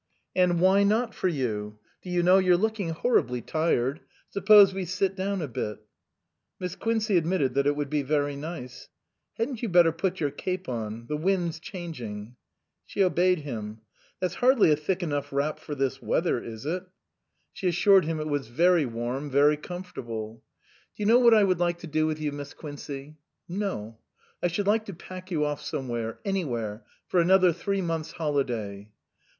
" And why not for you ? Do you know, you're looking horribly tired. Suppose we sit down a bit." Miss Quincey admitted that it would be very nice. "Hadn't you better put your cape on the wind's changing." She obeyed him. " That's hardly a thick enough wrap for this weather, is it ?" 267 SUPERSEDED She assured him it was very warm, very comfortable. " Do you know what I would like to do with you, Miss Quincey ?" "No." " I should like to pack you off somewhere anywhere for another three months' holiday."